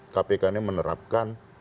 kpk ini menerapkan